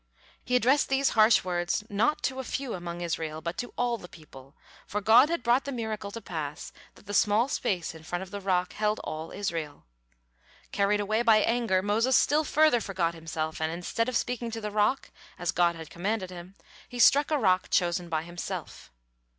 He addressed these harsh words not to a few among Israel, but to all the people, for God had brought the miracle to pass that the small space in front of the rock held all Israel. Carried away by anger, Moses still further forgot himself, and instead of speaking to the rock as God had commanded him, he struck a rock chosen by himself.